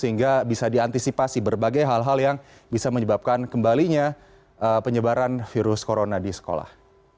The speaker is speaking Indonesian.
sehingga bisa diantisipasi berbagai hal hal yang bisa menyebabkan kembalinya penyebaran virus corona di sekolah